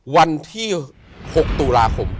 วันที่๖ตุลาคม